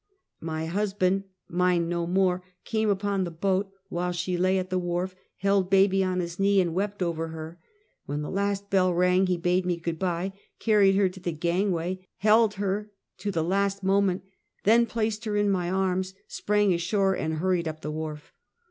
My husband, mine no more, came upon the boat while she lay at the wharf, held baby on his knee and wept over her; when the last bell rang, he bade me good bye; carried her to the gangway, held her to the last moment, then placed her in my arms, sprang ashore and hurried up the wharf.